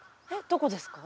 どこですか？